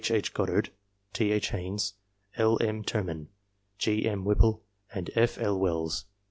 H. Goddard, T. H. Haines, L. M. Ter man, G. M. Whipple, and F. L. Wells.